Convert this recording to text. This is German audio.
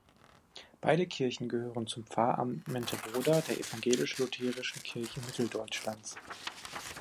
Beide Kirchen gehören zum Pfarramt Menteroda der Evangelisch-Lutherischen Kirche Mitteldeutschlands.